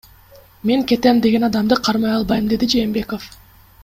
Мен кетем деген адамды кармай албайм, — деди Жээнбеков.